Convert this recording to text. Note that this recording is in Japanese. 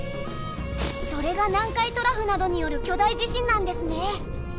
それが南海トラフなどによる巨大地震なんですね。